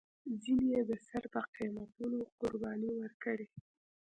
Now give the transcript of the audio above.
ځینو یې د سر په قیمتونو قربانۍ ورکړې.